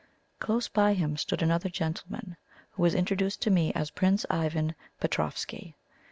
Close by him stood another gentleman, who was introduced to me as Prince Ivan Petroffsky.